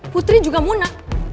putri juga muna